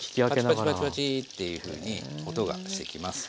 パチパチパチパチっていうふうに音がしてきます。